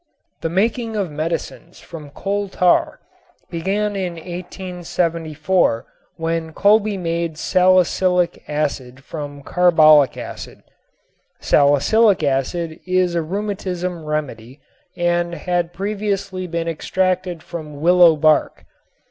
The making of medicines from coal tar began in 1874 when Kolbe made salicylic acid from carbolic acid. Salicylic acid is a rheumatism remedy and had previously been extracted from willow bark.